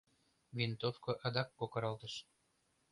Винтовко адак кокыралтыш.